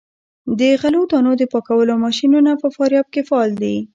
د غلو دانو د پاکولو ماشینونه په فاریاب کې فعال دي.